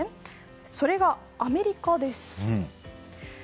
それが、アメリカです。